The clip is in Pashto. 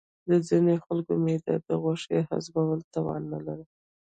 د ځینې خلکو معده د غوښې هضمولو توان نه لري.